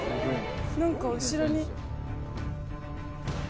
何か後ろに。